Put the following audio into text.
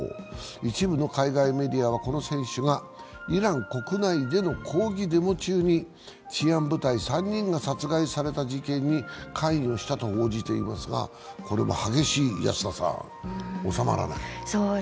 一部の海外メディアはこの選手がイラン国内での抗議デモ中に治安部隊３人が殺害された事件に関与したと報じていますが、安田さん、これも激しい、収まらない。